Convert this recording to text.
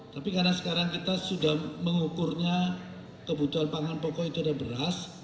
tapi karena sekarang kita sudah mengukurnya kebutuhan pangan pokok itu ada beras